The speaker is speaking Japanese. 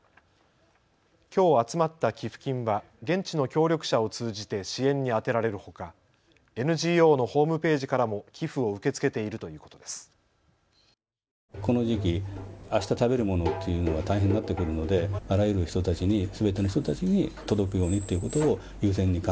きょう集まった寄付金は現地の協力者を通じて支援に充てられるほかＮＧＯのホームページからも寄付を受け付けているということです。